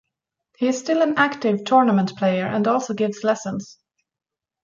He is still an active tournament player and also gives lessons.